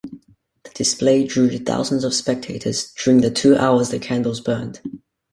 The display drew thousands of spectators during the two hours the candles burned.